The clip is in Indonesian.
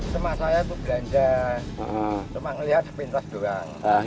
semua saya belanja cuma melihat sepintas doang